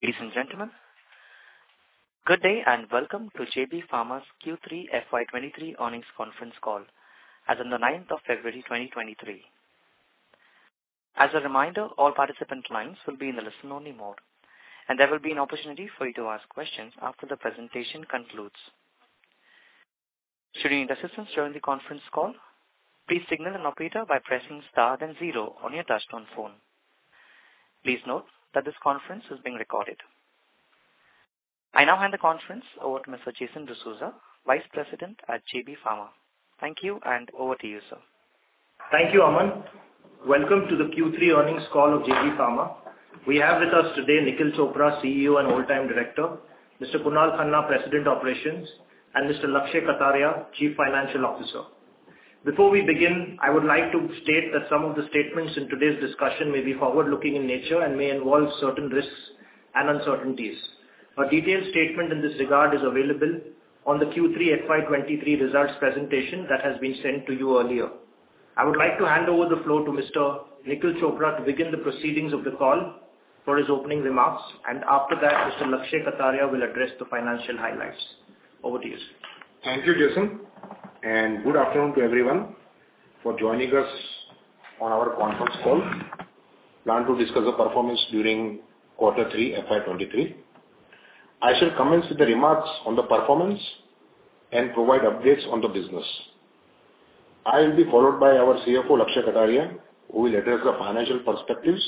Ladies and gentlemen, good day and welcome to JB Pharma's Q3 FY23 Earnings Conference Call as on the 9th of February 2023. As a reminder, all participant lines will be in the listen-only mode, and there will be an opportunity for you to ask questions after the presentation concludes. Should you need assistance during the conference call, please signal an operator by pressing star then zero on your touchtone phone. Please note that this conference is being recorded. I now hand the conference over to Mr. Jason D'Souza, Vice President at JB Pharma. Thank you. Over to you, sir. Thank you, Aman. Welcome to the Q3 earnings call of JB Pharma. We have with us today Nikhil Chopra, CEO and Whole-Time Director, Mr. Kunal Khanna, President, Operations, and Mr. Lakshay Kataria, Chief Financial Officer. Before we begin, I would like to state that some of the statements in today's discussion may be forward-looking in nature and may involve certain risks and uncertainties. A detailed statement in this regard is available on the Q3 FY23 results presentation that has been sent to you earlier. I would like to hand over the floor to Mr. Nikhil Chopra to begin the proceedings of the call for his opening remarks, and after that Mr. Lakshay Kataria will address the financial highlights. Over to you, sir. Thank you, Jason, good afternoon to everyone for joining us on our conference call planned to discuss the performance during Q3 FY 2023. I shall commence with the remarks on the performance and provide updates on the business. I will be followed by our CFO, Lakshay Kataria, who will address the financial perspectives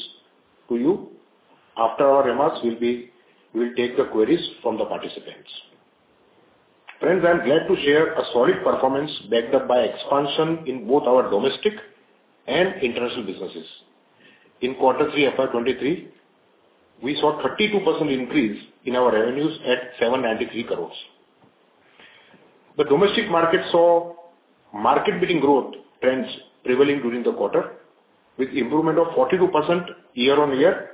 to you. After our remarks, we'll take the queries from the participants. Friends, I'm glad to share a solid performance backed up by expansion in both our domestic and international businesses. In Q3 FY 2023, we saw 32% increase in our revenues at 793 crores. The domestic market saw market-beating growth trends prevailing during the quarter with improvement of 42% year-on-year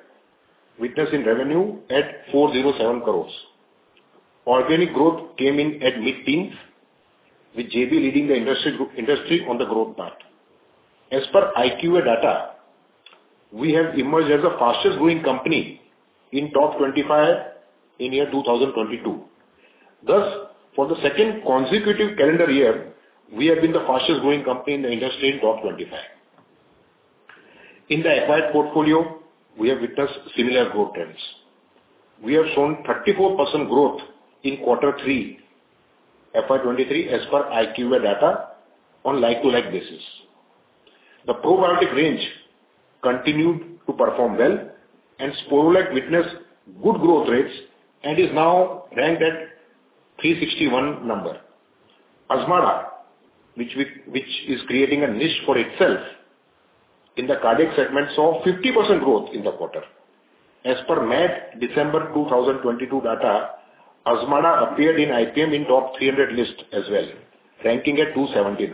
witnessed in revenue at 407 crores. Organic growth came in at mid-teens with JB leading the industry on the growth part. As per IQVIA data, we have emerged as the fastest-growing company in top 25 in year 2022. Thus, for the second consecutive calendar year, we have been the fastest-growing company in the industry in top 25. In the acquired portfolio, we have witnessed similar growth trends. We have shown 34% growth in Q3 FY23 as per IQVIA data on like-to-like basis. The probiotic range continued to perform well, and Sporlac witnessed good growth rates and is now ranked at 361. Azmarda, which is creating a niche for itself in the cardiac segment, saw 50% growth in the quarter. As per May-December 2022 data, Azmarda appeared in IPM in top 300 list as well, ranking at 270.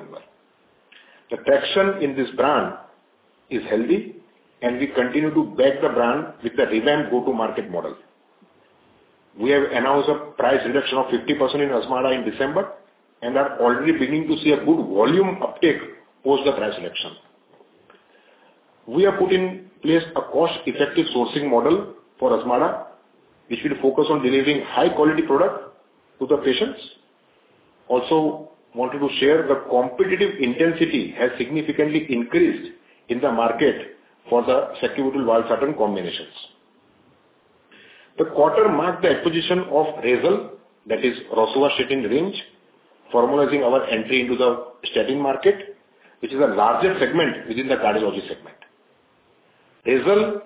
The traction in this brand is healthy, and we continue to back the brand with the revamped go-to-market model. We have announced a price reduction of 50% in Azmarda in December and are already beginning to see a good volume uptake post the price reduction. We have put in place a cost-effective sourcing model for Azmarda, which will focus on delivering high-quality product to the patients. Also, wanted to share the competitive intensity has significantly increased in the market for the sacubitril/valsartan combinations. The quarter marked the acquisition of Razel, that is Rosuvastatin range, formalizing our entry into the statin market, which is the largest segment within the cardiology segment. Razel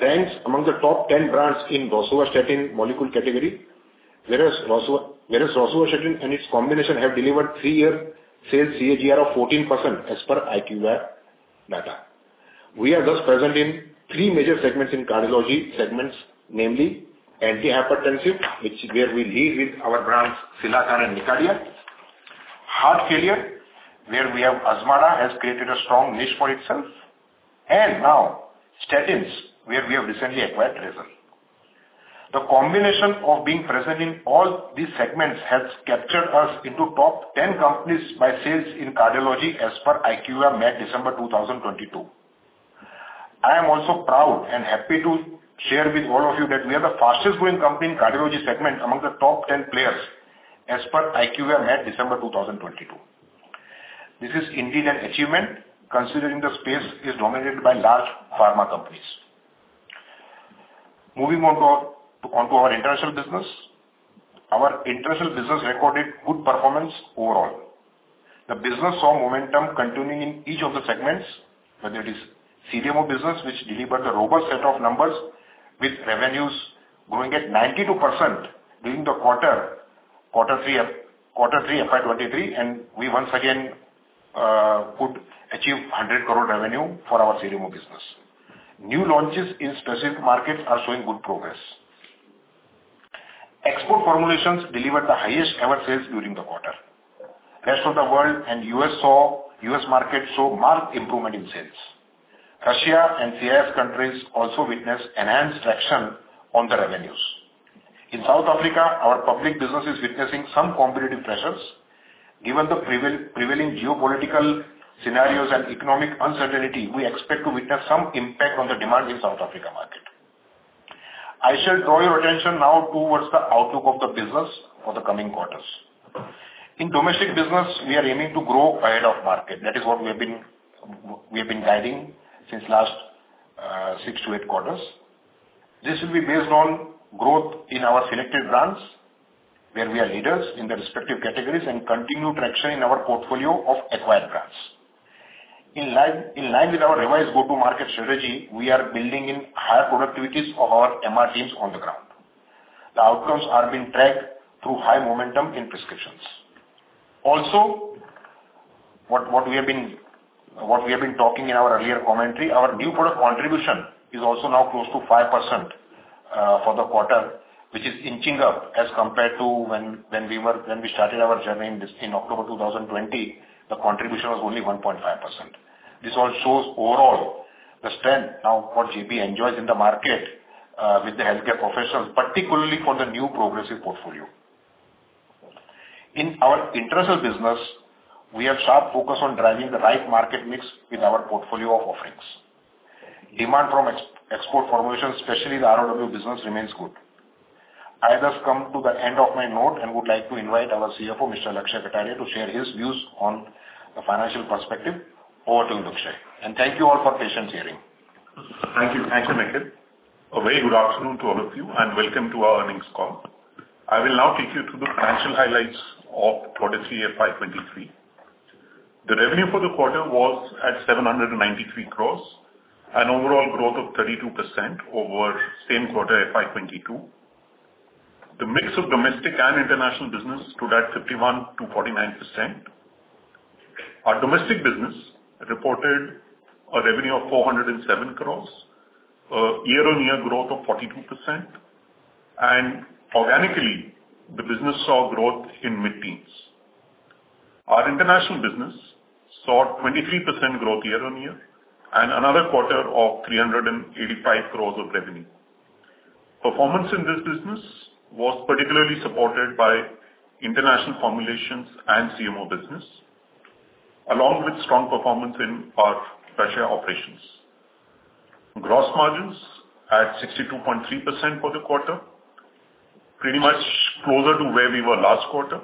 ranks among the top 10 brands in Rosuvastatin molecule category, whereas Rosuvastatin and its combination have delivered 3-year sales CAGR of 14% as per IQVIA data. We are thus present in three major segments in cardiology segments, namely antihypertensive, which is where we lead with our brands, Cilacar and Nicardia, heart failure, where we have Azmarda created a strong niche for itself, and now statins, where we have recently acquired Razel. The combination of being present in all these segments has captured us into top 10 companies by sales in cardiology as per IQVIA May-December 2022. I am also proud and happy to share with all of you that we are the fastest growing company in cardiology segment among the top 10 players as per IQVIA May-December 2022. This is indeed an achievement considering the space is dominated by large pharma companies. Moving on to our international business. Our international business recorded good performance overall. The business saw momentum continuing in each of the segments, whether it is CDMO business which delivered a robust set of numbers with revenues growing at 92% during the quarter, Q3 FY 2023, and we once again could achieve 100 crore revenue for our CDMO business. New launches in specific markets are showing good progress. Export formulations delivered the highest ever sales during the quarter. Rest of the world and U.S. market saw marked improvement in sales. Russia and CIS countries also witnessed enhanced traction on the revenues. In South Africa, our public business is witnessing some competitive pressures. Given the prevailing geopolitical scenarios and economic uncertainty, we expect to witness some impact on the demand in South Africa market. I shall draw your attention now towards the outlook of the business for the coming quarters. In domestic business, we are aiming to grow ahead of market. That is what we have been guiding since last six to eight quarters. This will be based on growth in our selected brands, where we are leaders in the respective categories, and continued traction in our portfolio of acquired brands. In line with our revised go-to-market strategy, we are building in higher productivities of our MR teams on the ground. The outcomes are being tracked through high momentum in prescriptions. What we have been talking in our earlier commentary, our new product contribution is also now close to 5% for the quarter, which is inching up as compared to when we started our journey in this in October 2020, the contribution was only 1.5%. This all shows overall the strength now what JB enjoys in the market with the healthcare professionals, particularly for the new progressive portfolio. In our international business, we are sharp focused on driving the right market mix in our portfolio of offerings. Demand from ex-export formulations, especially the RoW business, remains good. I thus come to the end of my note and would like to invite our CFO, Mr. Lakshay Kataria, to share his views on the financial perspective. Over to you, Lakshay. Thank you all for patiently hearing. Thank you. Thanks, Nikhil. A very good afternoon to all of you. Welcome to our earnings call. I will now take you through the financial highlights of quarter three 2023. The revenue for the quarter was at 793 crores, an overall growth of 32% over same quarter in 2022. The mix of domestic and international business stood at 51%-49%. Our domestic business reported a revenue of 407 crores, a year-on-year growth of 42%. Organically, the business saw growth in mid-teens. Our international business saw 23% growth year-on-year and another quarter of 385 crores of revenue. Performance in this business was particularly supported by international formulations and CMO business, along with strong performance in our pressure operations. Gross margins at 62.3% for the quarter, pretty much closer to where we were last quarter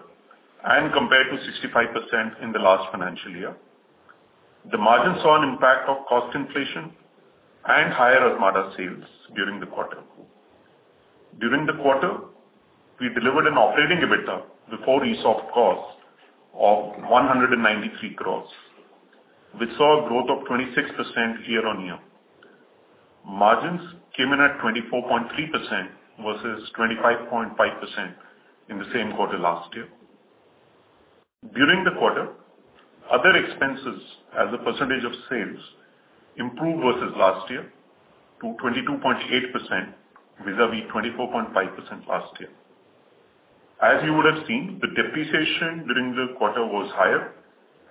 and compared to 65% in the last financial year. The margin saw an impact of cost inflation and higher Azmarda sales during the quarter. During the quarter, we delivered an operating EBITDA before ESOP cost of 193 crores. We saw a growth of 26% year-on-year. Margins came in at 24.3% versus 25.5% in the same quarter last year. During the quarter, other expenses as a percentage of sales improved versus last year to 22.8% vis-à-vis 24.5% last year. As you would have seen, the depreciation during the quarter was higher,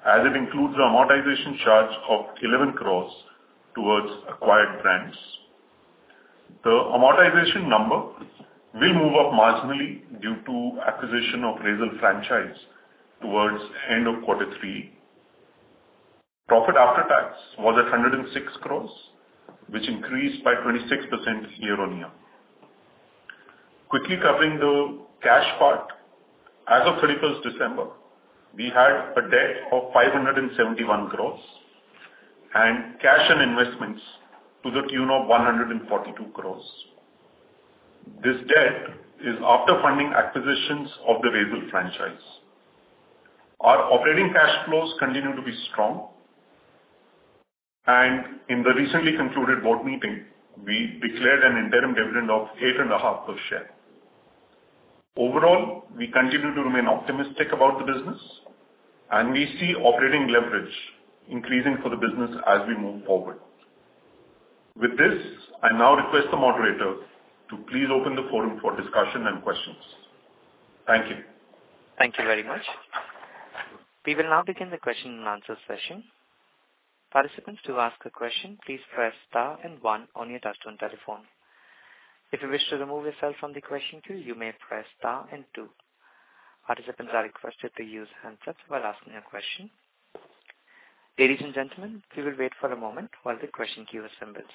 as it includes the amortization charge of 11 crores towards acquired brands. The amortization number will move up marginally due to acquisition of Razel franchise towards end of quarter three. Profit after tax was at 106 crores, which increased by 26% year-on-year. Quickly covering the cash part. As of 31st December, we had a debt of 571 crores and cash and investments to the tune of 142 crores. This debt is after funding acquisitions of the Razel franchise. Our operating cash flows continue to be strong. In the recently concluded board meeting, we declared an interim dividend of eight and a half per share. Overall, we continue to remain optimistic about the business, and we see operating leverage increasing for the business as we move forward. With this, I now request the moderator to please open the forum for discussion and questions. Thank you. Thank you very much. We will now begin the Q&A session. Participants, to ask a question, please press star one on your touch-tone telephone. If you wish to remove yourself from the question queue, you may press star two. Participants are requested to use handsets while asking a question. Ladies and gentlemen, we will wait for a moment while the question queue assembles.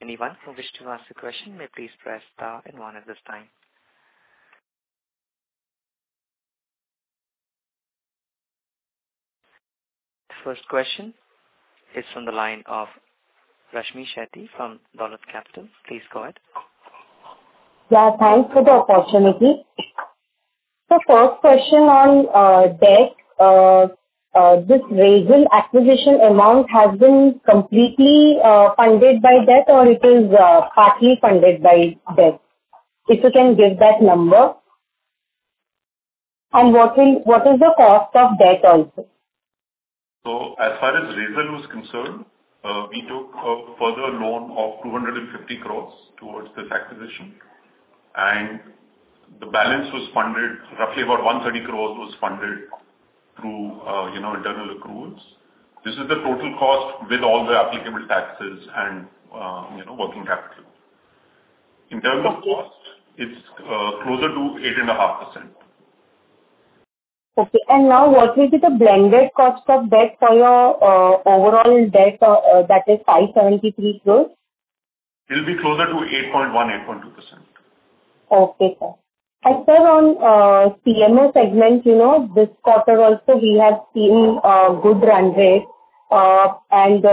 Anyone who wish to ask a question may please press star and one at this time. First question is from the line of Rashmi Shetty from Dolat Capital. Please go ahead. Yeah, thanks for the opportunity. First question on debt. This Razel acquisition amount has been completely funded by debt or it is partly funded by debt? If you can give that number. What is the cost of debt also? As far as Razel is concerned, we took a further loan of 250 crores towards this acquisition. The balance was funded roughly about 130 crores was funded through, you know, internal accruals. This is the total cost with all the applicable taxes and, you know, working capital. In terms of cost, it's closer to 8.5%. Okay. Now what will be the blended cost of debt for your overall debt that is 573 crores? It'll be closer to 8.1%, 8.2%. Okay, sir. sir, on CMO segment, you know, this quarter also we have seen good run rate.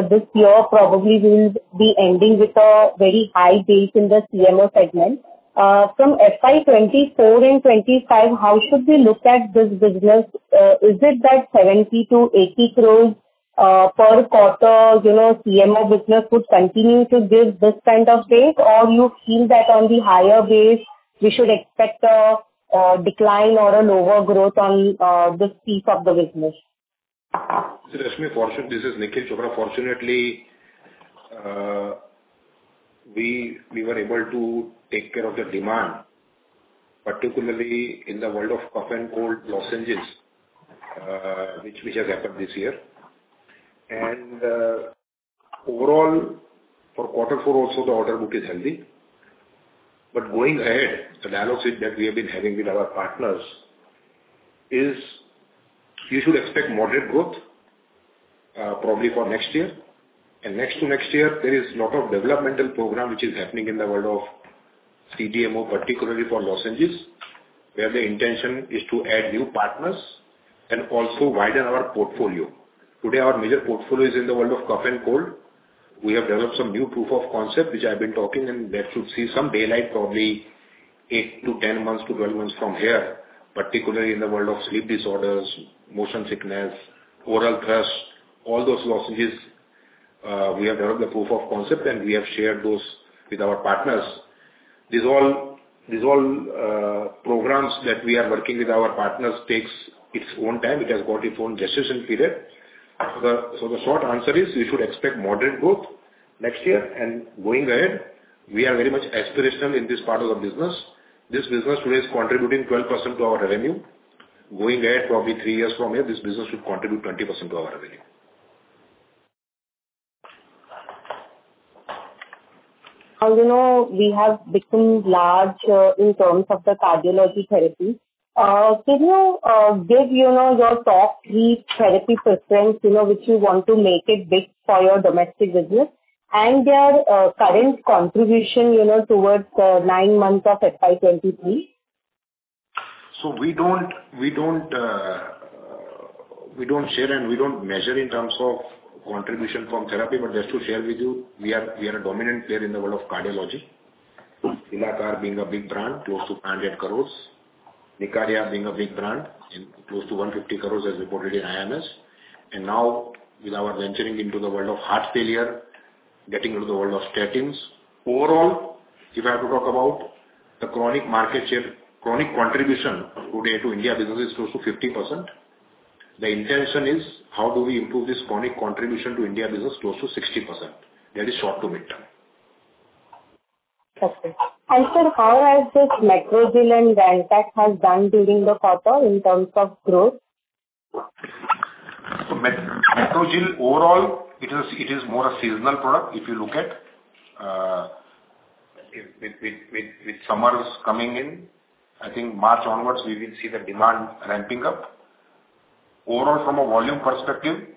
this year probably we'll be ending with a very high base in the CMO segment. from FY 2024 and 2025, how should we look at this business? is it that INR 70-80 crores per quarter, you know, CMO business would continue to give this kind of base? you feel that on the higher base we should expect a decline or a lower growth on this piece of the business? Rashmi, this is Nikhil Chopra. Fortunately, we were able to take care of the demand, particularly in the world of cough and cold lozenges, which has happened this year. Overall for quarter four also the order book is healthy. Going ahead, the dialogue that we have been having with our partners is we should expect moderate growth, probably for next year. Next to next year there is lot of developmental program which is happening in the world of CDMO, particularly for lozenges, where the intention is to add new partners and also widen our portfolio. Today our major portfolio is in the world of cough and cold. We have developed some new proof of concept which I've been talking, and that should see some daylight probably eight to 10 months to 12 months from here. Particularly in the world of sleep disorders, motion sickness, oral thrush, all those lozenges, we have developed the proof of concept, and we have shared those with our partners. These all programs that we are working with our partners takes its own time. It has got its own gestation period. The short answer is we should expect moderate growth next year and going ahead. We are very much aspirational in this part of the business. This business today is contributing 12% to our revenue. Going ahead probably three years from here, this business should contribute 20% to our revenue. You know, we have become large in terms of the cardiology therapy. Could you give, you know, your top three therapy preference, you know, which you want to make it big for your domestic business and their current contribution, you know, towards the nine months of FY 2023? We don't share and we don't measure in terms of contribution from therapy. Just to share with you, we are a dominant player in the world of cardiology. Cilacar being a big brand, close to 100 crores. Nicardia being a big brand and close to 150 crores as reported in IMS. Now with our venturing into the world of heart failure, getting into the world of statins. Overall, if I have to talk about the chronic market share, chronic contribution of today to India business is close to 50%. The intention is how do we improve this chronic contribution to India business close to 60%? That is short to midterm. Okay. Sir, how has this Metrogyl and Rantac has done during the quarter in terms of growth? Metrogyl overall it is more a seasonal product. If you look at with summers coming in, I think March onwards we will see the demand ramping up. Overall from a volume perspective,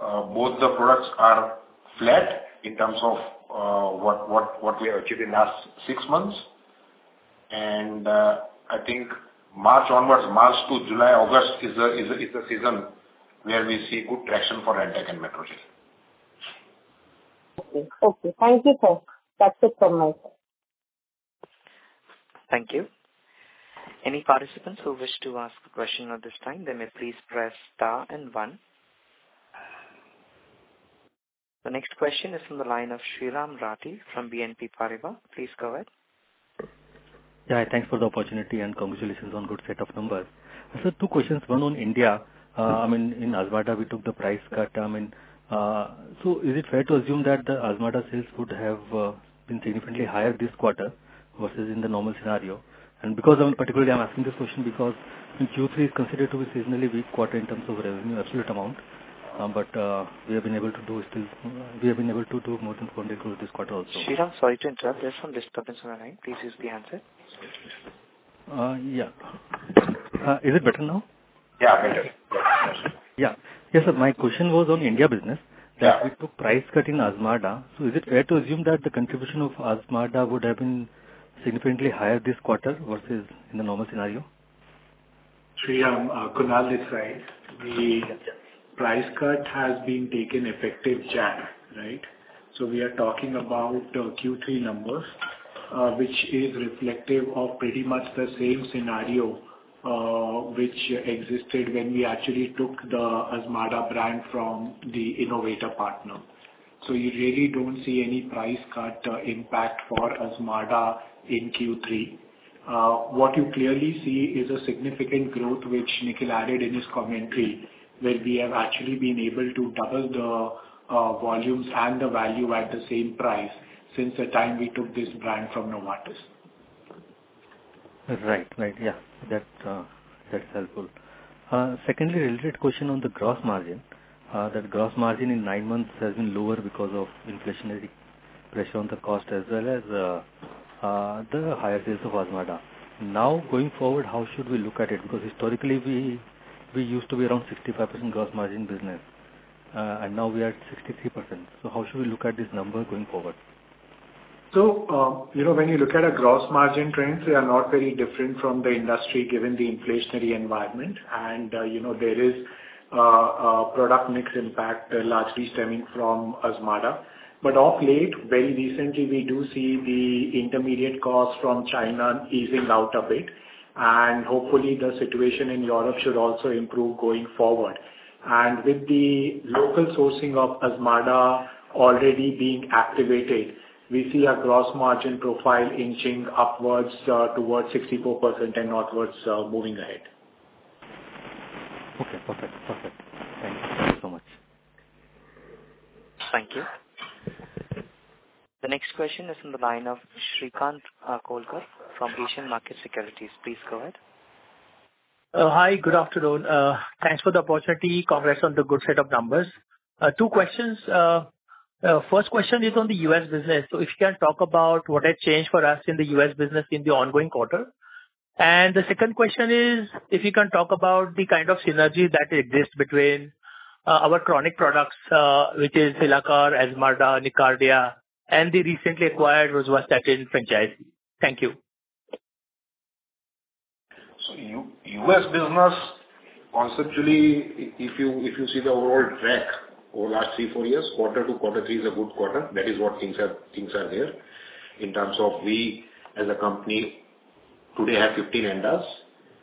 both the products are flat in terms of what we have achieved in last six months. I think March onwards, March to July, August is the season where we see good traction for Rantac and Metrogyl. Okay. Okay. Thank you, sir. That's it from my side. Thank you. Any participants who wish to ask a question at this time, they may please press star and one. The next question is from the line of Sriraam Rathi from BNP Paribas. Please go ahead. Yeah. Thanks for the opportunity and congratulations on good set of numbers. Two questions, one on India. I mean, in Azmarda we took the price cut. I mean, so is it fair to assume that the Azmarda sales could have been significantly higher this quarter versus in the normal scenario? Because I'm particularly I'm asking this question because in Q3 is considered to be seasonally weak quarter in terms of revenue, absolute amount. We have been able to do still more than 20 crores this quarter also. Sriraam, sorry to interrupt. There's some disturbance on your line. Please use the handset. Yeah. Is it better now? Yeah, better. Yeah. Yes, sir. My question was on India business. Yeah. We took price cut in Azmarda. Is it fair to assume that the contribution of Azmarda would have been significantly higher this quarter versus in the normal scenario? Sriraam, Kunal this side. The price cut has been taken effective January, right? We are talking about Q3 numbers which is reflective of pretty much the same scenario which existed when we actually took the Azmarda brand from the innovator partner. You really don't see any price cut impact for Azmarda in Q3. What you clearly see is a significant growth, which Nikhil added in his commentary, where we have actually been able to double the volumes and the value at the same price since the time we took this brand from Novartis. Right. Right. Yeah, that's helpful. Secondly, a related question on the gross margin. The gross margin in 9 months has been lower because of inflationary pressure on the cost as well as the higher sales of Azmarda. Going forward, how should we look at it? Historically we used to be around 65% gross margin business, and now we are at 63%. How should we look at this number going forward? You know, when you look at our gross margin trends, they are not very different from the industry, given the inflationary environment. You know, there is a product mix impact largely stemming from Azmarda. Of late, very recently, we do see the intermediate costs from China easing out a bit, and hopefully the situation in Europe should also improve going forward. With the local sourcing of Azmarda already being activated, we see our gross margin profile inching upwards, towards 64% and onwards, moving ahead. Okay, perfect. Thank you so much. Thank you. The next question is on the line of Shrikant Akolkar from Asian Markets Securities. Please go ahead. Hi, good afternoon. Thanks for the opportunity. Congrats on the good set of numbers. Two questions. First question is on the U.S. Business. If you can talk about what has changed for us in the U.S. business in the ongoing quarter? The second question is if you can talk about the kind of synergies that exist between our chronic products, which is Cilacar, Azmarda, Nicardia, and the recently acquired Rosuvastatin franchise? Thank you. US business, conceptually, if you see the overall track over last three, four years, quarter-to-quarter three is a good quarter. That is what things are there. In terms of we as a company today have 15 ANDAs,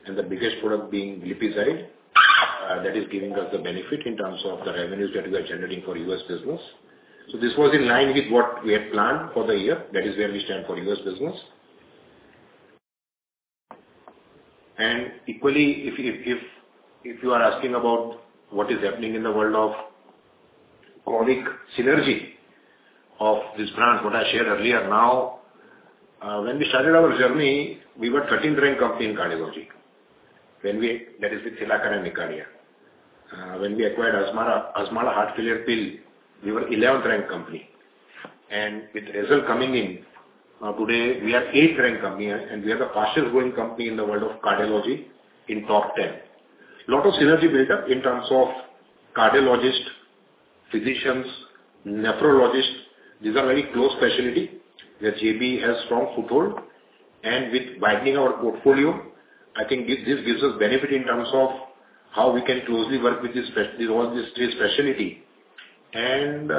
and the biggest product being Glipizide. That is giving us the benefit in terms of the revenues that we are generating for U.S. business. This was in line with what we had planned for the year. That is where we stand for U.S. business. Equally, if you are asking about what is happening in the world of chronic synergy of this brand, what I shared earlier now, when we started our journey, we were 13th ranked company in cardiology. That is with Cilacar and Nicardia. When we acquired Azmarda heart failure pill, we were 11th ranked company. With result coming in, today we are eighth ranked company, and we are the fastest growing company in the world of cardiology in top 10. Lot of synergy built up in terms of cardiologists, physicians, nephrologists. These are very close specialty where JB has strong foothold. With widening our portfolio, I think this gives us benefit in terms of how we can closely work with all these three specialty and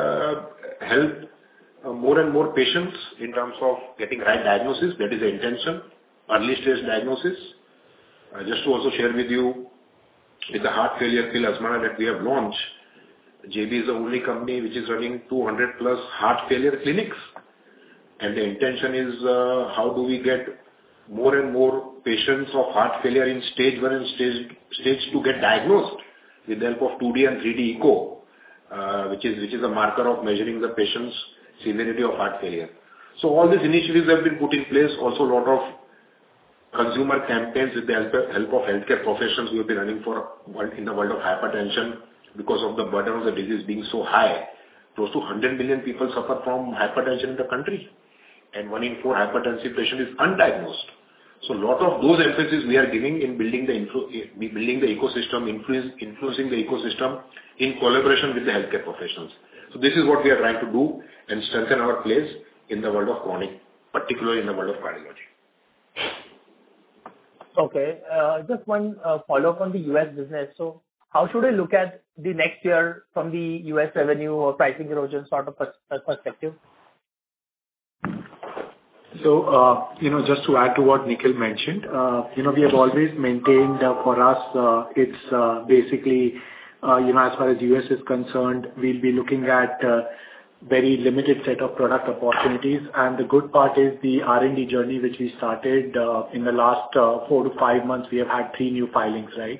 help more and more patients in terms of getting right diagnosis. That is the intention. Early-stage diagnosis. Just to also share with you, with the heart failure pill, Azmarda, that we have launched, JB is the only company which is running 200+ heart failure clinics. The intention is, how do we get more and more patients of heart failure in stage one and stage two get diagnosed with the help of 2D and 3D echo, which is, which is a marker of measuring the patient's severity of heart failure. All these initiatives have been put in place. A lot of consumer campaigns with the help of healthcare professionals we have been running for in the world of hypertension because of the burden of the disease being so high. Close to 100 million people suffer from hypertension in the country, and one in four hypertensive patient is undiagnosed. Lot of those emphasis we are giving in building the ecosystem, influencing the ecosystem in collaboration with the healthcare professionals. This is what we are trying to do and strengthen our place in the world of chronic, particularly in the world of cardiology. Okay. Just one, follow-up on the U.S. business. How should I look at the next year from the U.S. revenue or pricing erosion sort of perspective? you know, just to add to what Nikhil mentioned, you know, we have always maintained for us, it's, basically, you know, as far as U.S. is concerned, we'll be looking at, very limited set of product opportunities. The good part is the R&D journey which we started, in the last, four to five months, we have had three new filings, right.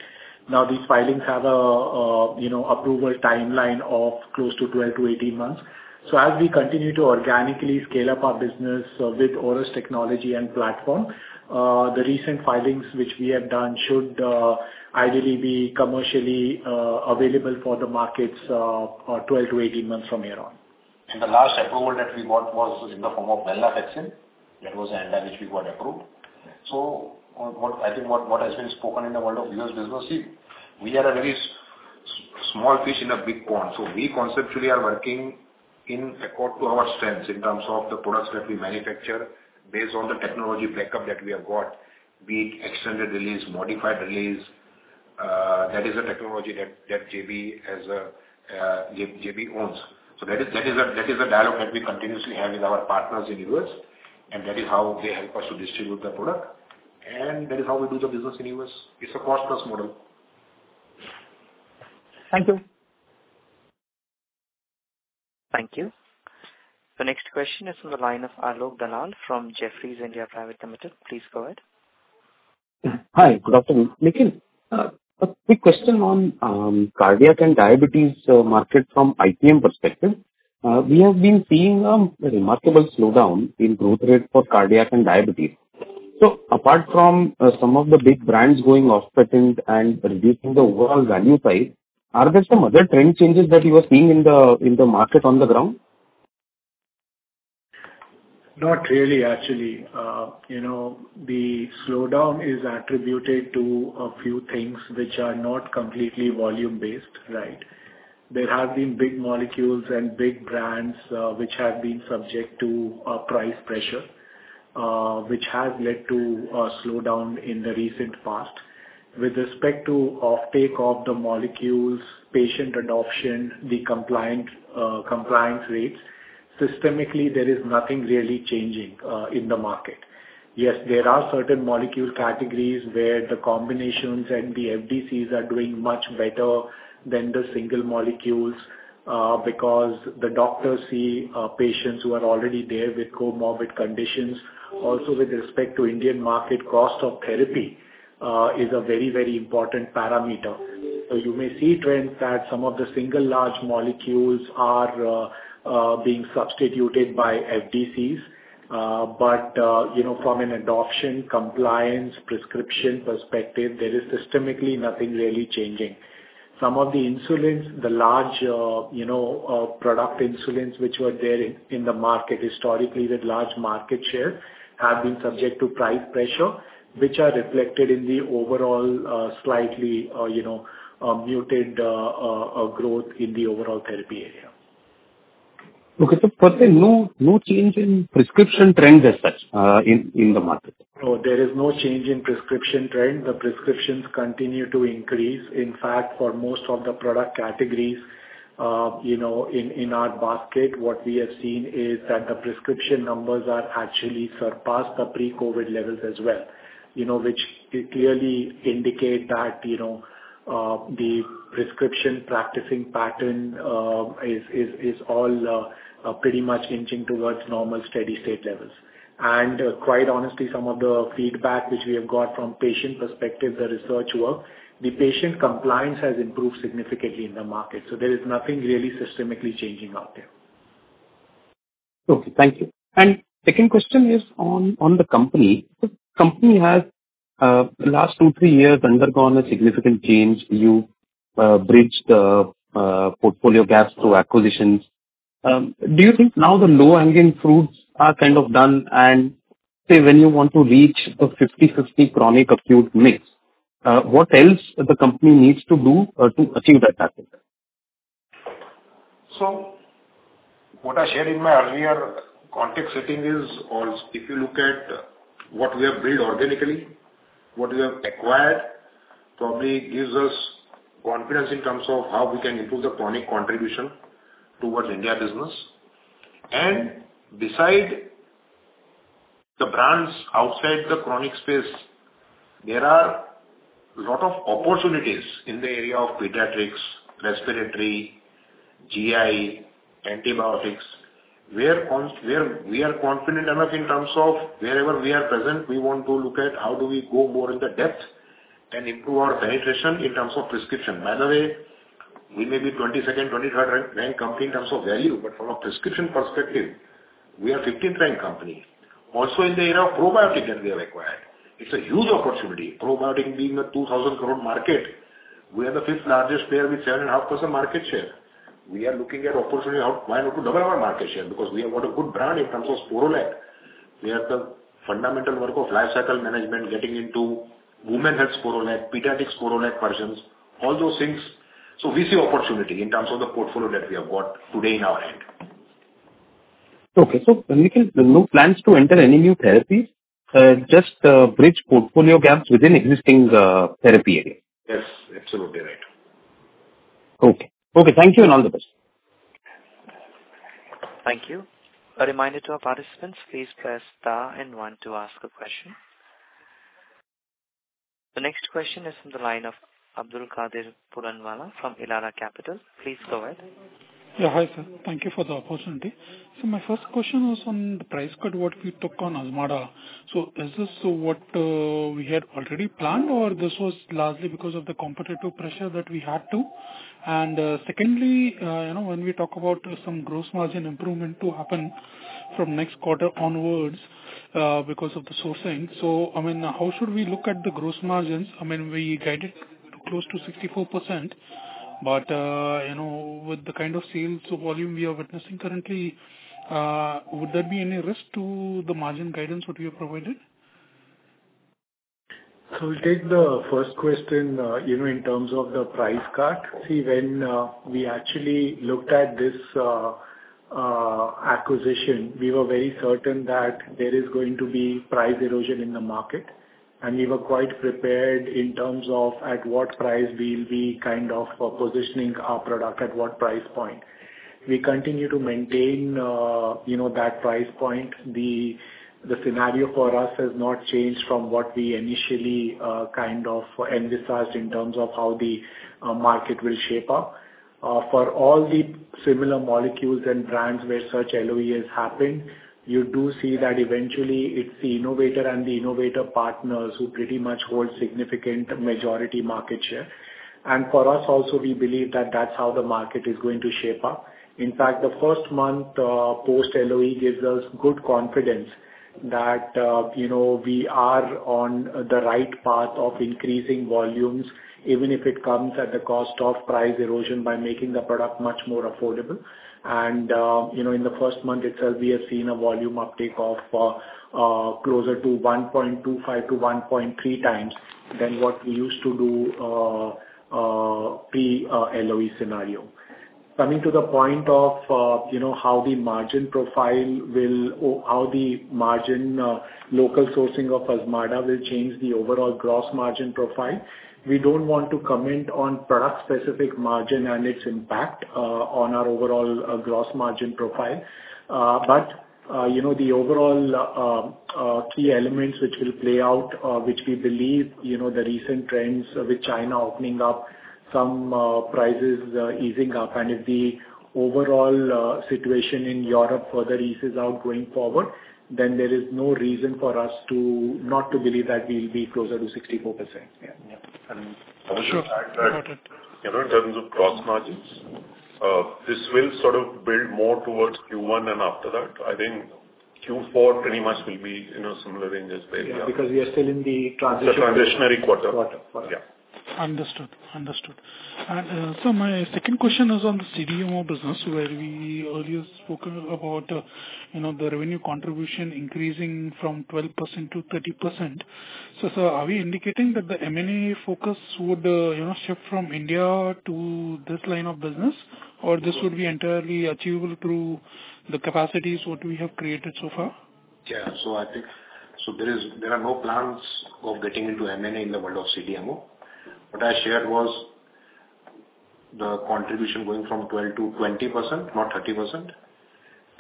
These filings have a, you know, approval timeline of close to 12-18 months. As we continue to organically scale up our business with OROS technology and platform, the recent filings which we have done should, ideally be commercially, available for the markets, 12 to 18 months from here on. The last approval that we got was in the form of venlafaxine. That was NDA which we got approved. What I think has been spoken in the world of U.S. business, see, we are a very small fish in a big pond. We conceptually are working in accord to our strengths in terms of the products that we manufacture based on the technology backup that we have got, be it extended release, modified release. That is a technology that JB owns. That is a dialogue that we continuously have with our partners in U.S., and that is how they help us to distribute the product, and that is how we do the business in U.S. It's a cost plus model. Thank you. Thank you. The next question is from the line of Alok Dalal from Jefferies India Private Limited. Please go ahead. Hi, good afternoon. Nikhil, a quick question on cardiac and diabetes market from IPM perspective. We have been seeing a remarkable slowdown in growth rate for cardiac and diabetes. Apart from some of the big brands going off patent and reducing the overall value side, are there some other trend changes that you are seeing in the market on the ground? Not really, actually. You know, the slowdown is attributed to a few things which are not completely volume-based, right? There have been big molecules and big brands which have been subject to price pressure, which has led to a slowdown in the recent past. With respect to offtake of the molecules, patient adoption, the compliant compliance rates, systemically, there is nothing really changing in the market. Yes, there are certain molecule categories where the combinations and the FDCs are doing much better than the single molecules, because the doctors see patients who are already there with comorbid conditions. Also with respect to Indian market, cost of therapy, is a very, very important parameter. You may see trends that some of the single large molecules are being substituted by FDCs. You know, from an adoption, compliance, prescription perspective, there is systemically nothing really changing. Some of the insulins, the large, you know, product insulins which were there in the market historically, with large market share, have been subject to price pressure, which are reflected in the overall, slightly, you know, muted growth in the overall therapy area. Okay. Firstly, no change in prescription trends as such, in the market? No, there is no change in prescription trend. The prescriptions continue to increase. In fact, for most of the product categories, you know, in our basket, what we have seen is that the prescription numbers are actually surpassed the pre-COVID levels as well, you know, which clearly indicate that, you know, the prescription practicing pattern is all pretty much inching towards normal steady-state levels. Quite honestly, some of the feedback which we have got from patient perspective, the research work, the patient compliance has improved significantly in the market, so there is nothing really systemically changing out there. Okay. Thank you. Second question is on the company. Company has last two, 3 years undergone a significant change. You bridged the portfolio gaps through acquisitions. Do you think now the low-hanging fruits are kind of done and, say, when you want to reach a 50/50 chronic/acute mix, what else the company needs to do to achieve that target? What I shared in my earlier context setting is, or if you look at what we have built organically, what we have acquired, probably gives us confidence in terms of how we can improve the chronic contribution towards India business. Beside the brands outside the chronic space, there are lot of opportunities in the area of pediatrics, respiratory, GI, antibiotics, where we are confident enough in terms of wherever we are present, we want to look at how do we go more in the depth and improve our penetration in terms of prescription. By the way, we may be 22nd, 23rd rank company in terms of value, but from a prescription perspective, we are 15th rank company. In the area of probiotic that we have acquired. It's a huge opportunity. Probiotic being a 2,000 crore market. We are the fifth-largest player with 7.5% market share. We are looking at opportunity why not to double our market share, because we have got a good brand in terms of Sporlac. We have the fundamental work of lifecycle management getting into women health Sporlac, pediatrics Sporlac versions, all those things. We see opportunity in terms of the portfolio that we have got today in our hand. Okay. Nikhil, no plans to enter any new therapies? just, bridge portfolio gaps within existing, therapy area? Yes, absolutely right. Okay. Okay, thank you, and all the best. Thank you. A reminder to our participants, please press star and one to ask a question. The next question is from the line of Abdulkader Puranwala from Elara Capital. Please go ahead. Yeah, hi sir. Thank you for the opportunity. My first question was on the price cut what we took on Azmarda. Is this what we had already planned or this was largely because of the competitive pressure that we had to? Secondly, you know, when we talk about some gross margin improvement to happen from next quarter onwards, because of the sourcing. I mean, how should we look at the gross margins? I mean, we guided close to 64%, but, you know, with the kind of sales volume we are witnessing currently, would there be any risk to the margin guidance what you have provided? We'll take the first question, you know, in terms of the price cut. See, when we actually looked at this acquisition, we were very certain that there is going to be price erosion in the market, and we were quite prepared in terms of at what price we'll be kind of positioning our product, at what price point. We continue to maintain, you know, that price point. The scenario for us has not changed from what we initially kind of emphasized in terms of how the market will shape up. For all the similar molecules and brands where such LOE has happened, you do see that eventually it's the innovator and the innovator partners who pretty much hold significant majority market share. For us also, we believe that that's how the market is going to shape up. In fact, the first month, post-LOE gives us good confidence that, you know, we are on the right path of increasing volumes, even if it comes at the cost of price erosion by making the product much more affordable. You know, in the first month itself, we have seen a volume uptake of closer to 1.25-1.3 times than what we used to do pre LOE scenario. Coming to the point of, you know, how the margin profile will... Or how the margin, local sourcing of Azmarda will change the overall gross margin profile, we don't want to comment on product-specific margin and its impact on our overall gross margin profile. You know, the overall, key elements which will play out, which we believe, you know, the recent trends with China opening up, some prices easing up, and if the overall situation in Europe further eases out going forward, then there is no reason not to believe that we'll be closer to 64%. Yeah. Sure. Got it. In terms of cross margins, this will sort of build more towards Q1 and after that. I think Q4 pretty much will be, you know, similar ranges, maybe. Yeah, because we are still in the transition. The transitionary quarter. Quarter. Understood. Understood. My second question is on the CDMO business, where we earlier spoken about, you know, the revenue contribution increasing from 12%-30%. Sir, are we indicating that the M&A focus would, you know, shift from India to this line of business? Or this would be entirely achievable through the capacities what we have created so far? Yeah. I think there are no plans of getting into M&A in the world of CDMO. What I shared was the contribution going from 12%-20%, not 30%.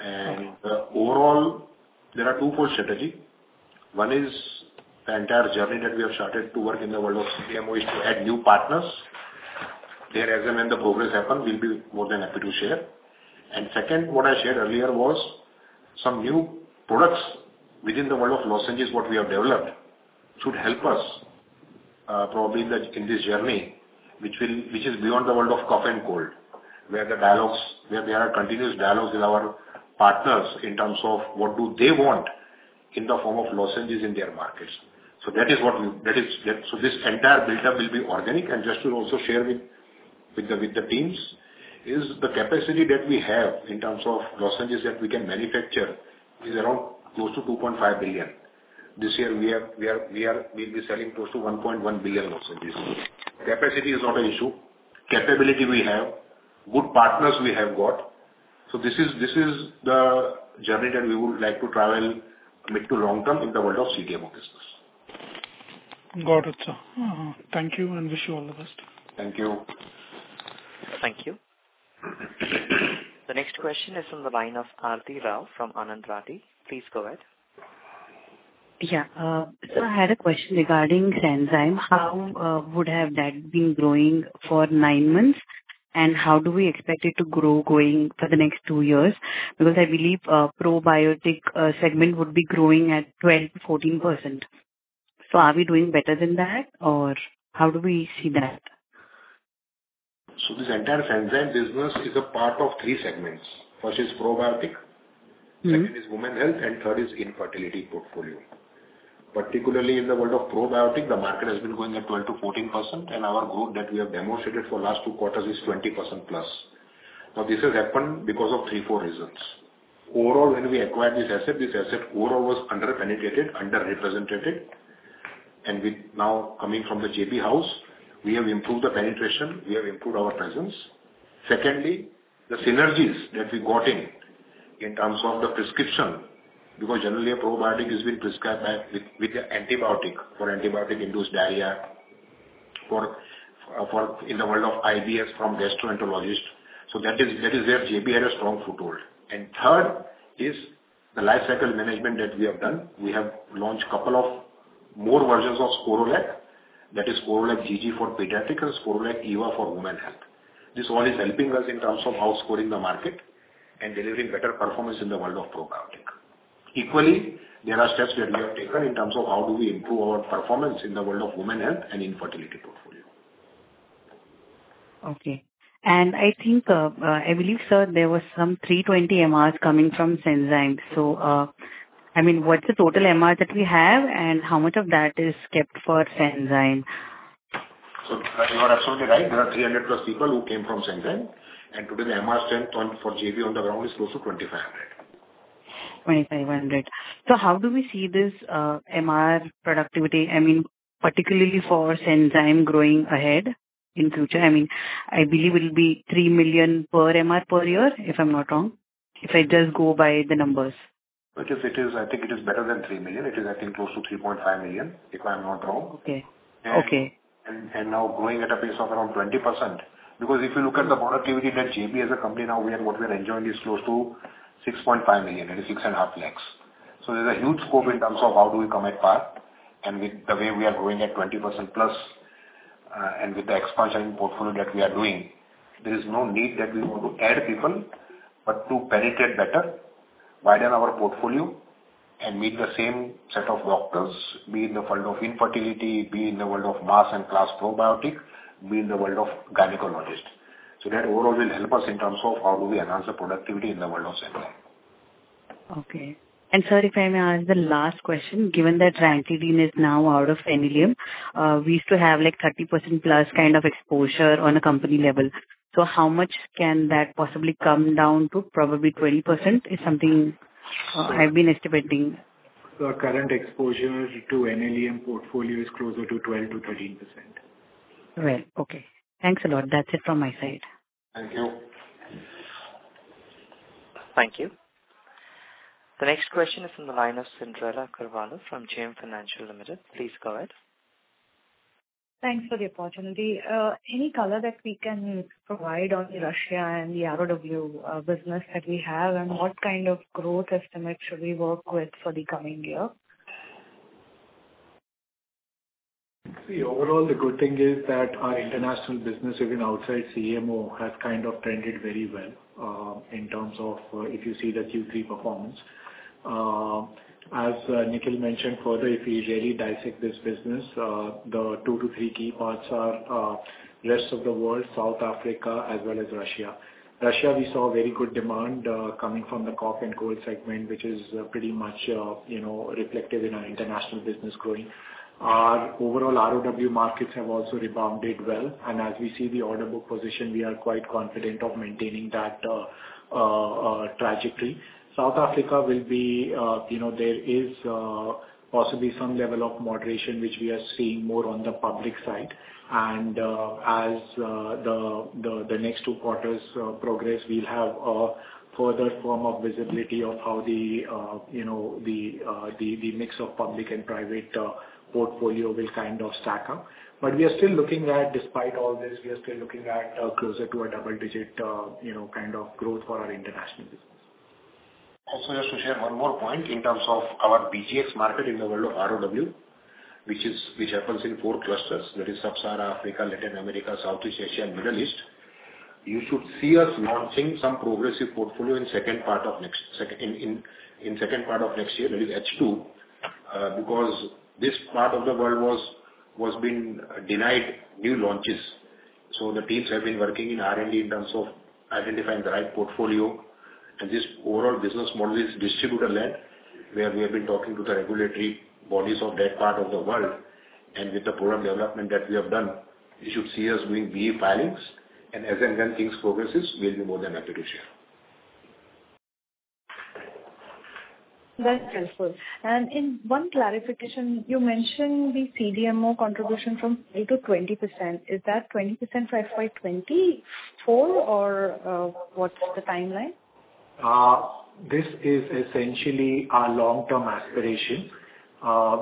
Okay. Overall, there are two core strategy. One is the entire journey that we have started to work in the world of CDMO is to add new partners. There, as and when the progress happen, we'll be more than happy to share. Second, what I shared earlier was some new products within the world of lozenges what we have developed should help us probably in this journey, which is beyond the world of cough and cold, where there are continuous dialogues with our partners in terms of what do they want in the form of lozenges in their markets. That is what we... This entire buildup will be organic, and Jesu will also share with the teams, is the capacity that we have in terms of lozenges that we can manufacture is around close to 2.5 billion. This year we'll be selling close to 1.1 billion lozenges. Capacity is not an issue. Capability we have. Good partners we have got. This is the journey that we would like to travel mid to long term in the world of CDMO business. Got it, sir. Thank you and wish you all the best. Thank you. Thank you. The next question is from the line of Aartie Rao from Anand Rathi. Please go ahead. Yeah. I had a question regarding Sanzyme. How would have that been growing for nine months? How do we expect it to grow going for the next two years? Because I believe probiotic segment would be growing at 12%-14%. Are we doing better than that, or how do we see that? This entire Sanzyme business is a part of three segments. First is probiotic. Mm-hmm. Second is women health, and third is infertility portfolio. Particularly in the world of probiotic, the market has been growing at 12%-14%, and our growth that we have demonstrated for last two quarters is 20%+. This has happened because of three, four reasons. Overall, when we acquired this asset, this asset overall was under-penetrated, underrepresented. Now, coming from the JB house, we have improved the penetration, we have improved our presence. Secondly, the synergies that we got in terms of the prescription, because generally a probiotic is being prescribed with a antibiotic for antibiotic-induced diarrhea, in the world of IBS from gastroenterologist. So that is where JB had a strong foothold. Third is the lifecycle management that we have done. We have launched couple of more versions of Sporlac. That is Sporlac GG for pediatrics and Sporlac EVA for women health. This all is helping us in terms of outscoring the market and delivering better performance in the world of probiotic. Equally, there are steps that we have taken in terms of how do we improve our performance in the world of women health and infertility portfolio. Okay. I think, I believe, sir, there was some 320 MRs coming from Sanzyme. I mean, what's the total MR that we have, and how much of that is kept for Sanzyme? You are absolutely right. There are 300 plus people who came from Sanzyme. Today the MR strength for JB on the ground is close to 2,500. 2,500. How do we see this MR productivity, I mean, particularly for Sanzyme growing ahead in future? I mean, I believe it'll be 3 million per MR per year, if I'm not wrong, if I just go by the numbers. Which is, I think it is better than 3 million. It is, I think, close to 3.5 million, if I'm not wrong. Okay. Okay. Now growing at a pace of around 20%. If you look at the productivity that JB as a company now, what we are enjoying is close to 6.5 million, that is 6.5 lakhs. There's a huge scope in terms of how do we come at par. With the way we are growing at 20%+, and with the expansion in portfolio that we are doing, there is no need that we want to add people, but to penetrate better, widen our portfolio. Meet the same set of doctors, be in the field of infertility, be in the world of mass and class probiotic, be in the world of gynecologist. That overall will help us in terms of how do we enhance the productivity in the world of Centurion. Okay. Sir, if I may ask the last question. Given that Ranitidine is now out of NLM, we used to have, like, 30% plus kind of exposure on a company level. How much can that possibly come down to probably 20% is something I've been estimating. Our current exposure to NLM portfolio is closer to 12%-13%. Right. Okay. Thanks a lot. That's it from my side. Thank you. Thank you. The next question is from the line of Cyndrella Carvalho from JM Financial Limited. Please go ahead. Thanks for the opportunity. Any color that we can provide on Russia and the RoW business that we have and what kind of growth estimate should we work with for the coming year? Overall, the good thing is that our international business, even outside CMO, has kind of trended very well, in terms of, if you see the Q3 performance. As Nikhil mentioned further, if we really dissect this business, the two to three key parts are rest of the world, South Africa, as well as Russia. Russia we saw very good demand coming from the cough and cold segment, which is pretty much, you know, reflective in our international business growing. Our overall RoW markets have also rebounded well, as we see the order book position, we are quite confident of maintaining that trajectory. South Africa will be, you know, there is possibly some level of moderation which we are seeing more on the public side. As the next two quarters progress, we'll have further form of visibility of how the, you know, the mix of public and private portfolio will kind of stack up. We are still looking at... despite all this, we are still looking at closer to a double-digit, you know, kind of growth for our international business. Just to share one more point in terms of our BGx market in the world of RoW, which is, which happens in four clusters. That is Sub-Saharan Africa, Latin America, Southeast Asia, and Middle East. You should see us launching some progressive portfolio in second part of next year, that is H2, because this part of the world was being denied new launches. The teams have been working in R&D in terms of identifying the right portfolio. This overall business model is distributor-led, where we have been talking to the regulatory bodies of that part of the world. With the product development that we have done, you should see us doing BE filings. As and when things progresses, we'll be more than happy to share. That's helpful. In one clarification, you mentioned the CDMO contribution from 8%-20%. Is that 20% for FY24 or what's the timeline? This is essentially our long-term aspiration.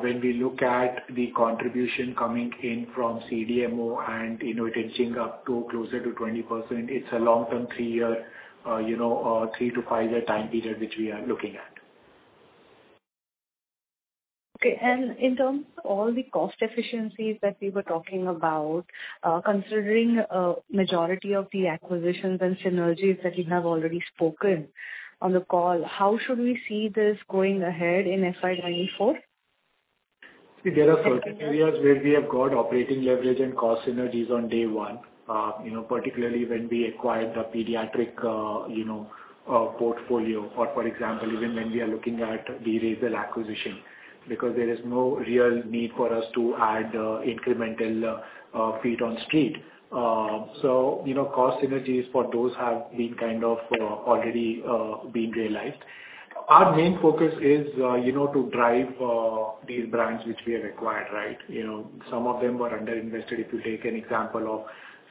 When we look at the contribution coming in from CDMO and, you know, it inching up to closer to 20%, it's a long-term three-year, you know, three to five-year time period which we are looking at. Okay. In terms of all the cost efficiencies that we were talking about, considering, majority of the acquisitions and synergies that you have already spoken on the call, how should we see this going ahead in FY24? See, there are certain areas where we have got operating leverage and cost synergies on day one. you know, particularly when we acquired the pediatric, you know, portfolio or for example even when we are looking at the Razel acquisition. Because there is no real need for us to add incremental feet on street. You know, cost synergies for those have been kind of already been realized. Our main focus is, you know, to drive these brands which we have acquired, right? You know, some of them were underinvested. If you take an example of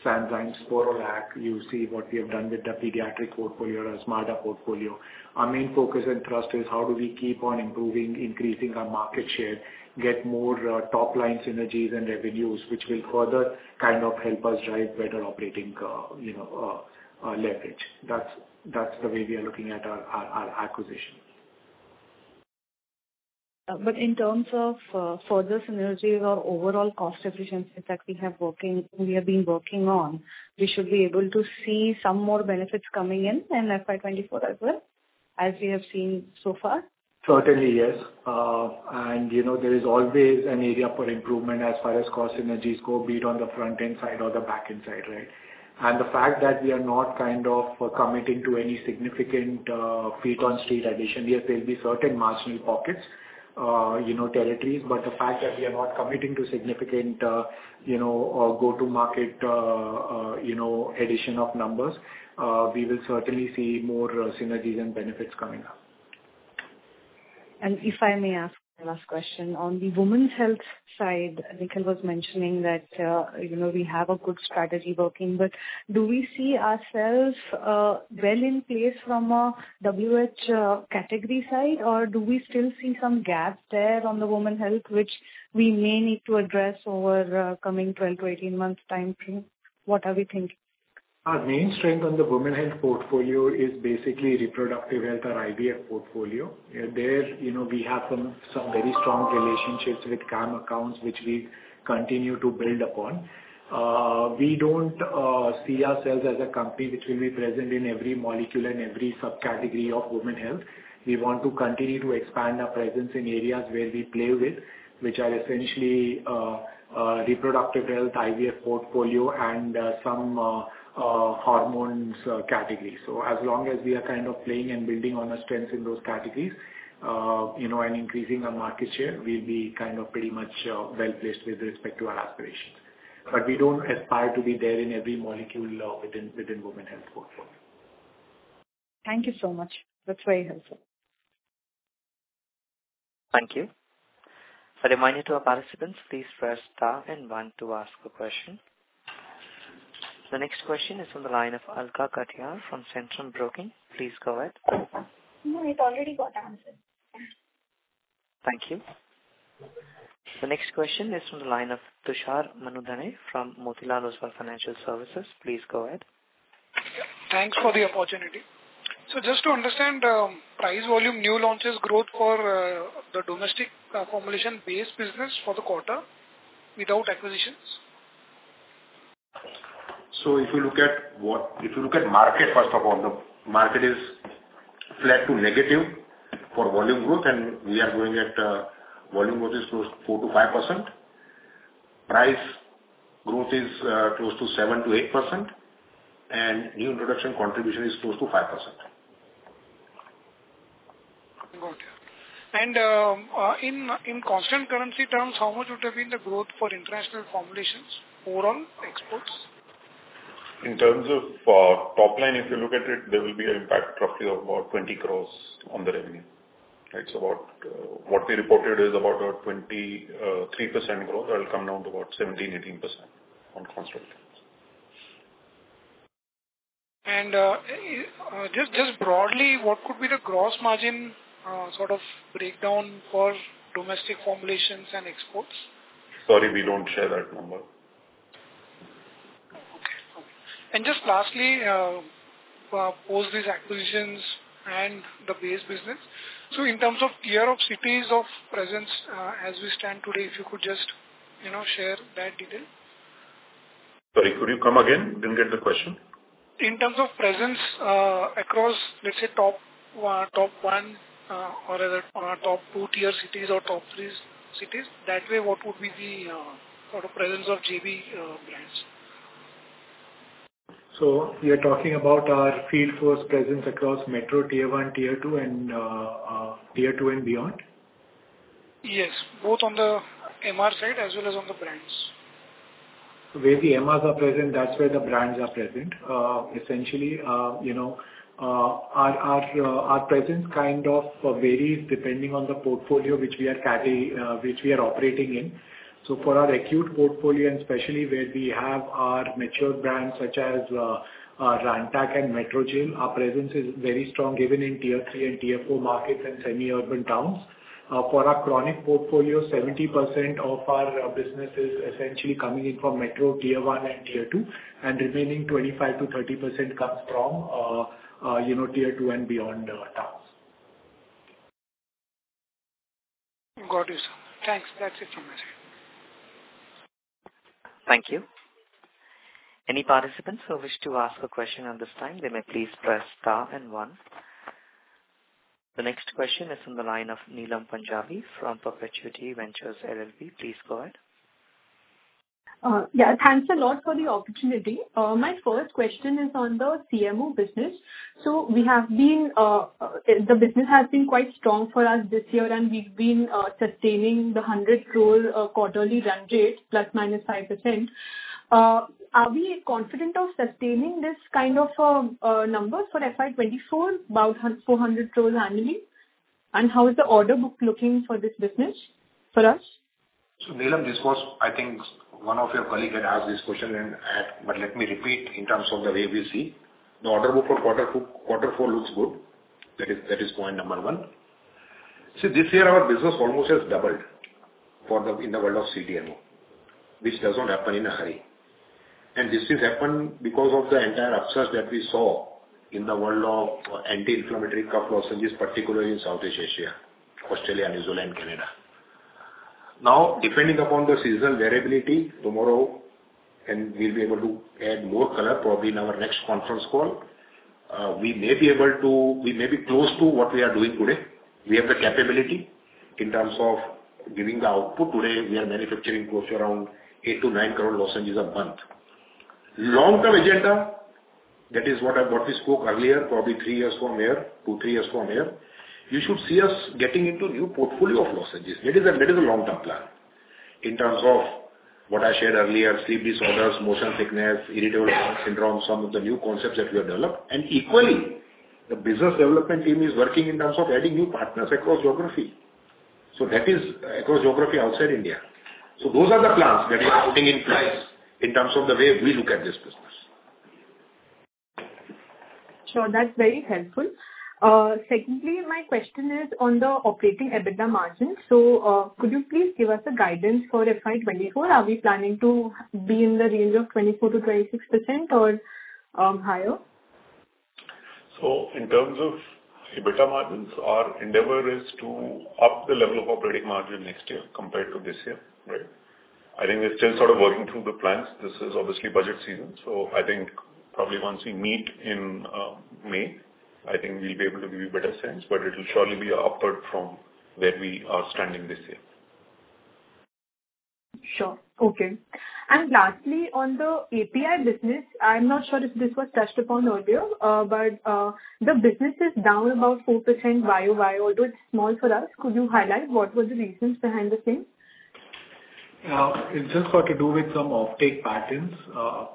Sanzyme's Sporlac, you see what we have done with the pediatric portfolio, Azmarda portfolio. Our main focus and thrust is how do we keep on improving, increasing our market share, get more, top-line synergies and revenues, which will further kind of help us drive better operating, you know, leverage. That's the way we are looking at our acquisition. In terms of, further synergy or overall cost efficiencies that we have been working on, we should be able to see some more benefits coming in in FY 2024 as well, as we have seen so far? Certainly, yes. You know there is always an area for improvement as far as cost synergies go, be it on the front-end side or the back-end side, right? The fact that we are not kind of committing to any significant feet on street addition. Yes, there'll be certain marginal pockets, you know, territories, but the fact that we are not committing to significant, you know, go-to-market, you know, addition of numbers, we will certainly see more synergies and benefits coming up. If I may ask my last question. On the women's health side, Nikhil was mentioning that, you know, we have a good strategy working. Do we see ourselves, well in place from a WHO, category side? Do we still see some gaps there on the women health, which we may need to address over, coming 12-18 months timeframe? What are we thinking? Our main strength on the women health portfolio is basically reproductive health or IVF portfolio. There, you know, we have some very strong relationships with CAM accounts, which we continue to build upon. We don't see ourselves as a company which will be present in every molecule and every subcategory of women health. We want to continue to expand our presence in areas where we play with, which are essentially, reproductive health, IVF portfolio and some hormones category. As long as we are kind of playing and building on our strengths in those categories, you know, and increasing our market share, we'll be kind of pretty much well-placed with respect to our aspirations. We don't aspire to be there in every molecule within women health portfolio. Thank you so much. That's very helpful. Thank you. A reminder to our participants, please press star and one to ask a question. The next question is from the line of Alka Katiyar from Centrum Broking. Please go ahead. No, it already got answered. Thank you. The next question is from the line of Tushar Manudhane from Motilal Oswal Financial Services. Please go ahead. Thanks for the opportunity. Just to understand, price, volume, new launches, growth for the domestic formulation base business for the quarter without acquisitions? If you look at market, first of all, the market is flat to negative for volume growth. We are growing at, volume growth is close 4%-5%. Price growth is close to 7%-8%. New introduction contribution is close to 5%. Got you. In constant currency terms, how much would have been the growth for international formulations over on exports? In terms of top line, if you look at it, there will be an impact roughly of about 20 crores on the revenue, right? What we reported is about 23% growth. That'll come down to about 17%-18% on constant terms. Just broadly, what could be the gross margin sort of breakdown for domestic formulations and exports? Sorry, we don't share that number. Okay. Just lastly, post these acquisitions and the base business, so in terms of tier of cities of presence, as we stand today, if you could just, you know, share that detail? Sorry, could you come again? Didn't get the question. In terms of presence, across, let's say, top one, or rather, top Two 2 cities or top three cities, that way, what would be the sort of presence of JB brands? You're talking about our field force presence across Metro Tier 1, Tier 2 and beyond? Yes, both on the MR side as well as on the brands. Where the MRs are present, that's where the brands are present. Essentially, you know, our presence kind of varies depending on the portfolio which we are operating in. For our acute portfolio and especially where we have our mature brands such as Rantac and Metrogyl, our presence is very strong, even in Tier 3 and Tier 4 markets and semi-urban towns. For our chronic portfolio, 70% of our business is essentially coming in from Metro Tier 1 and Tier 2, and remaining 25%-30% comes from, you know, Tier 2 and beyond towns. Got you, sir. Thanks. That's it from my side. Thank you. Any participants who wish to ask a question at this time, they may please press star and one. The next question is from the line of Neelam Punjabi from Perpetuity Ventures LLP. Please go ahead. Yeah, thanks a lot for the opportunity. My first question is on the CMO business. The business has been quite strong for us this year, and we've been sustaining the 100 crore quarterly run rate, plus minus 5%. Are we confident of sustaining this kind of numbers for FY 2024, about 400 crores annually? How is the order book looking for this business for us? Neelam, this was, I think, one of your colleague had asked this question. Let me repeat in terms of the way we see. The order book for quarter four looks good. That is point number one. This year our business almost has doubled for the, in the world of CDMO, which doesn't happen in a hurry. This has happened because of the entire upsurge that we saw in the world of anti-inflammatory cough lozenges, particularly in Southeast Asia, Australia, New Zealand, Canada. Depending upon the seasonal variability, tomorrow, we'll be able to add more color probably in our next conference call, we may be close to what we are doing today. We have the capability in terms of giving the output. Today, we are manufacturing close to around 8-9 crore lozenges a month. Long-term agenda, that is what I, what we spoke earlier, probably two to three years from here, you should see us getting into new portfolio of lozenges. That is a long-term plan. In terms of what I shared earlier, sleep disorders, motion sickness, irritable bowel syndrome, some of the new concepts that we have developed. Equally, the business development team is working in terms of adding new partners across geography. That is across geography outside India. Those are the plans that we are putting in place in terms of the way we look at this business. Sure. That's very helpful. Secondly, my question is on the operating EBITDA margin. Could you please give us a guidance for FY 2024? Are we planning to be in the range of 24%-26% or higher? In terms of EBITDA margins, our endeavor is to up the level of operating margin next year compared to this year, right? I think we're still sort of working through the plans. This is obviously budget season, so I think probably once we meet in May, I think we'll be able to give you a better sense, but it'll surely be upward from where we are standing this year. Sure. Okay. Lastly, on the API business, I'm not sure if this was touched upon earlier, but the business is down about 4% YOY, although it's small for us. Could you highlight what were the reasons behind the same? It's just got to do with some offtake patterns.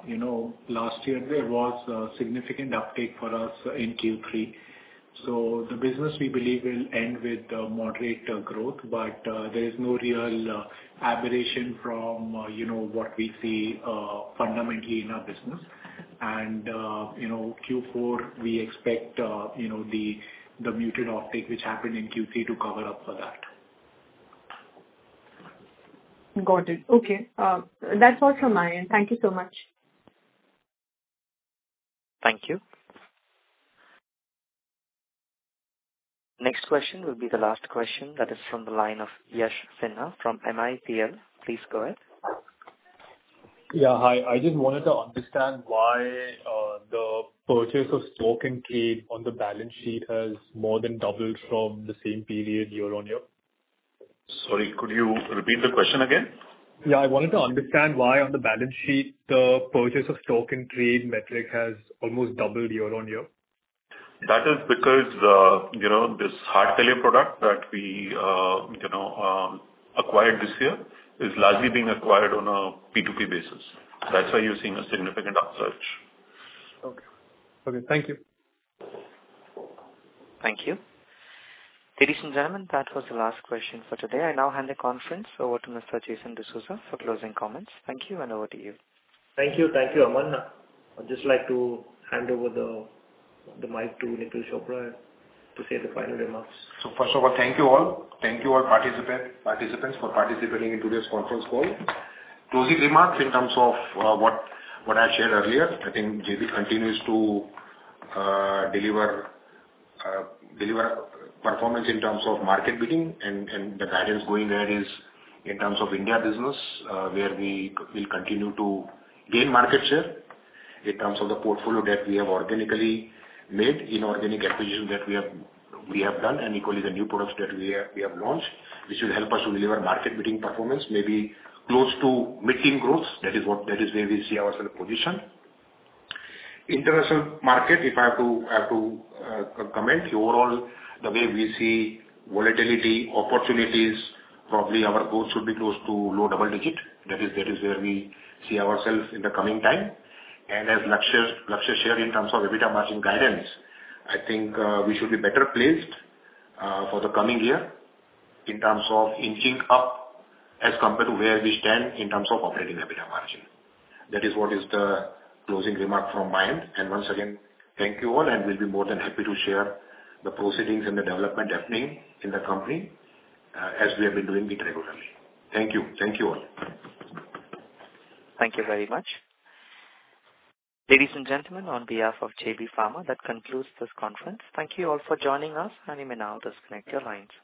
You know, last year there was a significant uptake for us in Q3. The business, we believe, will end with a moderate growth, but there is no real aberration from, you know, what we see fundamentally in our business. You know, Q4, we expect, you know, the muted offtake which happened in Q3 to cover up for that. Got it. Okay. That's all from my end. Thank you so much. Thank you. Next question will be the last question. That is from the line of Yash Sinha from MIPL. Please go ahead. Yeah, hi. I just wanted to understand why the purchase of stock and trade on the balance sheet has more than doubled from the same period year-on-year? Sorry, could you repeat the question again? Yeah. I wanted to understand why on the balance sheet, the purchase of stock and trade metric has almost doubled year-on-year? That is because, you know, this heart failure product that we, you know, acquired this year is largely being acquired on a P2P basis. That's why you're seeing a significant upsurge. Okay. Okay. Thank you. Thank you. Ladies and gentlemen, that was the last question for today. I now hand the conference over to Mr. Jason D'Souza for closing comments. Thank you, and over to you. Thank you. Thank you, Aman. I'd just like to hand over the mic to Nikhil Chopra to say the final remarks. First of all, thank you, all. Thank you all participants for participating in today's conference call. Closing remarks in terms of what I shared earlier, I think JB continues to deliver performance in terms of market beating and the guidance going ahead is in terms of India business, where we will continue to gain market share in terms of the portfolio that we have organically made, inorganic acquisitions that we have done, and equally the new products that we have launched. This will help us to deliver market-beating performance, maybe close to mid-teen growth. That is what. That is where we see ourself positioned. International market, if I have to comment, overall, the way we see volatility, opportunities, probably our goal should be close to low double digit. That is where we see ourselves in the coming time. As Lakshay shared in terms of EBITDA margin guidance, I think, we should be better placed for the coming year in terms of inching up as compared to where we stand in terms of operating EBITDA margin. That is what is the closing remark from my end. Once again, thank you, all, and we'll be more than happy to share the proceedings and the development happening in the company, as we have been doing regularly. Thank you. Thank you, all. Thank you very much. Ladies and gentlemen, on behalf of JB Pharma, that concludes this conference. Thank you all for joining us, and you may now disconnect your lines.